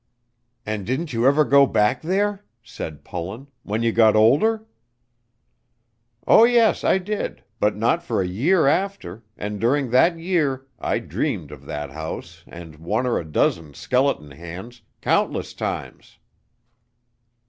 "And didn't you ever go back there?" said Pullen, "when you got older?" "Oh, yes, I did, but not for a year after, and during that year I dreamed of that house and one or a dozen skeleton hands, countless times.